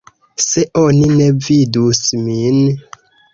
Se oni ne vidus min.